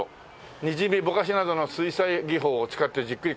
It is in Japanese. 「にじみボカシなどの水彩技法を使ってじっくり」